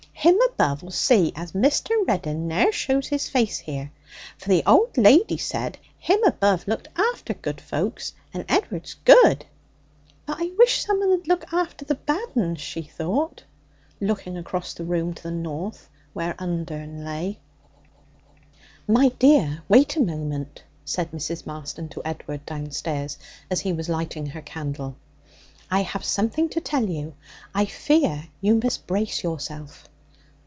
Him above'll see as Mr. Reddin ne'er shows his face here; for the old lady said Him above looked after good folks, and Ed'ard's good. But I wish some un 'ud look after the bad uns,' she thought, looking across the room to the north where Undern lay. 'My dear, wait a moment!' said Mrs. Marston to Edward downstairs, as he was lighting her candle. I have something to tell you. I fear you must brace yourself.'